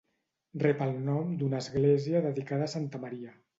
Rep el nom d'una església dedicada a Santa Maria.